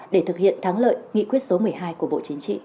để thực hiện thắng lợi nghị quyết số một mươi hai của bộ chính trị